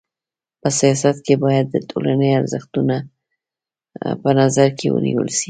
په سیاست کي بايد د ټولني ارزښتونه په نظر کي ونیول سي.